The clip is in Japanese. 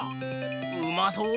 うまそう！